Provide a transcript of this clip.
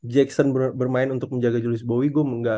jackson bermain untuk menjaga julius bowie gue nggak